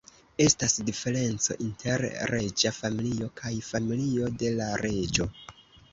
Estas diferenco inter reĝa familio kaj familio de la reĝo.